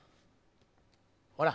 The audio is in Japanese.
ほら。